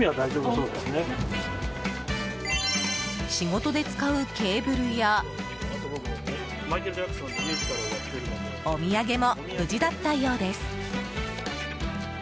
仕事で使うケーブルやお土産も無事だったようです。